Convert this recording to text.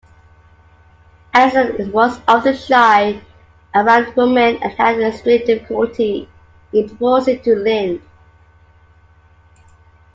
Andersen was often shy around women and had extreme difficulty in proposing to Lind.